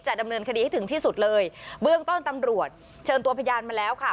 ดำเนินคดีให้ถึงที่สุดเลยเบื้องต้นตำรวจเชิญตัวพยานมาแล้วค่ะ